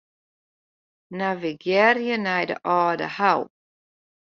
Navigearje nei de Aldehou.